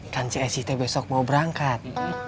kan sit besok mau berangkat